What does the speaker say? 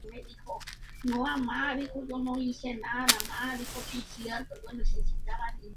Al final, todos cantan en el escenario en un bar.